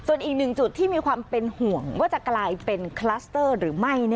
ส่วนอีกหนึ่งจุดที่มีความเป็นห่วงว่าจะกลายเป็นคลัสเตอร์หรือไม่